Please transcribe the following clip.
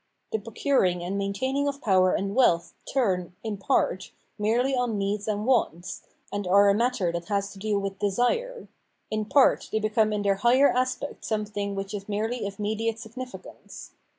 The procuring and maintaining of power and wealth turn, in part, merely on needs and wants, and are a matter that has to do with desire ; in part, they become in their higher aspect something which is merely of mediate signifi.cance.